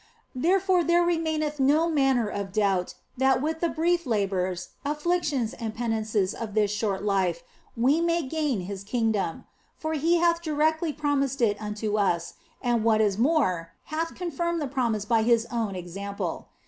Wherefore there re maineth no manner of doubt that with the brief labours, afflictions, and penances of this short life we may gain His kingdom ; for He hath directly promised it unto us, and what is more, hath confirmed the promise by His own example.